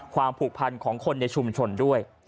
ความผูกพันธ์ของคนในชุมชนด้วย